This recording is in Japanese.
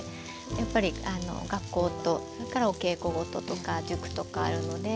やっぱり学校とそれからお稽古事とか塾とかあるので。